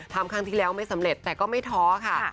ครั้งที่แล้วไม่สำเร็จแต่ก็ไม่ท้อค่ะ